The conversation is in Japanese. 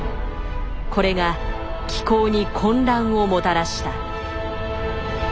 これが気候に混乱をもたらした。